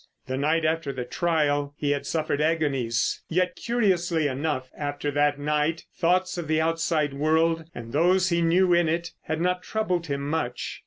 The night after the trial he had suffered agonies. Yet curiously enough after that night, thoughts of the outside world and those he knew in it had not troubled him much.